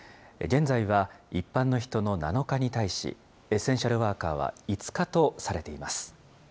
現在は一般の人の７日に対し、エッセンシャルワーカーは５日とされています。